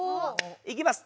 いきます。